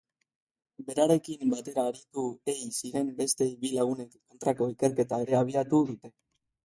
Berarekin batera aritu ei ziren beste bi lagunen kontrako ikerketa ere abiatu dute.